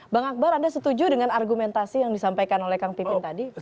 bang akbar anda setuju dengan argumentasi yang disampaikan tadi